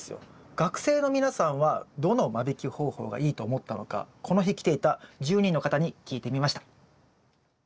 学生の皆さんはどの間引き方法がいいと思ったのかこの日来ていた１０人の方に聞いてみました。